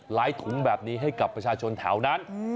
ถุงแบบนี้ให้กับประชาชนแถวนั้น